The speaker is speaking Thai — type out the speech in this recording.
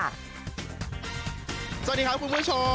สวัสดีครับคุณผู้ชม